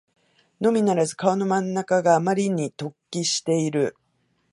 のみならず顔の真ん中があまりに突起している